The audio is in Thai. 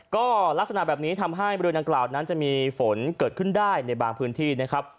ก็ลักษณะแบบนี้ทำให้บริเวณดังกล่าวนั้นจะมีฝนเกิดขึ้นได้ในบางพื้นที่นะครับ